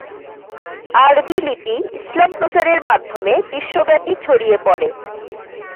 আরবী লিপি ইসলাম প্রচারের মাধ্যমে বিশ্বব্যাপি ছড়িয়ে পড়ে।